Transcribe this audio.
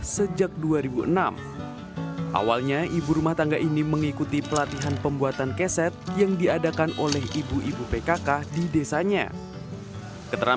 sangka keset buatannya laku dijual